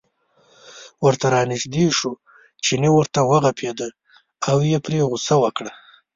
ورته را نژدې شو، چیني ورته و غپېده او یې پرې غوسه وکړه.